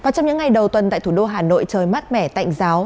trong những ngày đầu tuần tại thủ đô hà nội trời mát mẻ tạnh giáo